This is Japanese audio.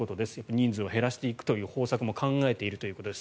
人数を減らしていくという方策も考えているということです。